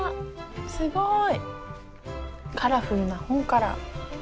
すごい。